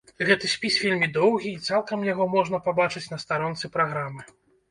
Гэты спіс вельмі доўгі, і цалкам яго можна пабачыць на старонцы праграмы.